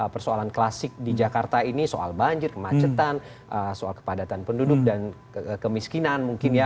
persoalan klasik di jakarta ini soal banjir kemacetan soal kepadatan penduduk dan kemiskinan mungkin ya